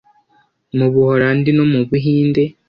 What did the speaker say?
mu Buholandi no mu Bihinde